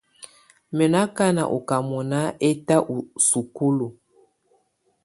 Mɛ̀ nɔ̀ akana ɔ ká mɔ̀nà ɛtà ù sukulu.